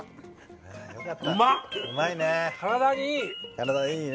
体にいい！